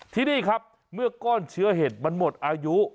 ที่นี่ครับเมื่อก้อนเชื้อเห็ดมันหมดอายุ